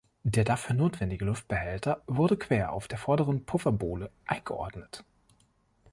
Der dafür notwendige Luftbehälter wurde quer auf der vorderen Pufferbohle eingeordnet.